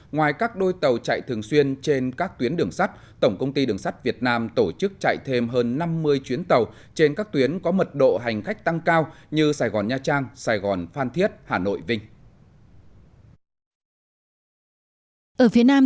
ngoài các đôi tàu chạy thường xuyên trên các tuyến đường sắt tổng công ty đường sắt việt nam tổ chức chạy thêm hơn năm mươi chuyến tàu trên các tuyến có mật độ hành khách tăng cao như sài gòn nha trang sài gòn phàn thịnh